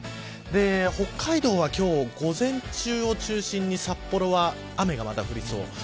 北海道は今日、午前中を中心に札幌は雨がまた降りそう。